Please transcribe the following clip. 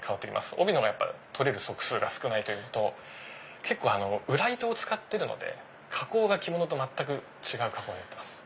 帯の方が取れる足数が少ないというのと結構裏糸を使ってるので着物と全く違う加工になってます